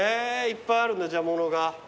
いっぱいあるんだじゃあものが。